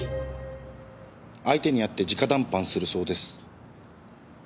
相手に会って直談判するそうです。